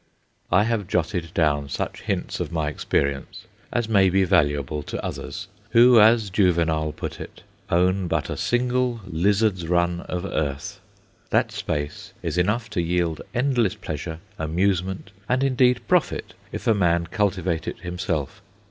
I have jotted down such hints of my experience as may be valuable to others, who, as Juvenal put it, own but a single lizard's run of earth. That space is enough to yield endless pleasure, amusement, and indeed profit, if a man cultivate it himself.